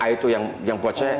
itu yang buat saya